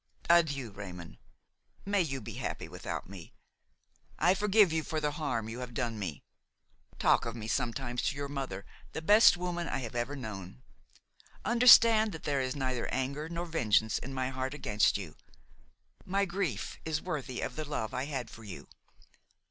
"Adieu, Raymon! may you be happy without me! I forgive you for the harm you have done me. Talk of me sometimes to your mother, the best woman I have ever known. Understand that there is neither anger nor vengeance in my heart against you; my grief is worthy of the love I had for you.